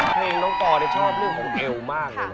เพลงลงต่อชอบเรื่องโฮงเตลมากเลย